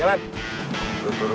pasti beverly yuk itu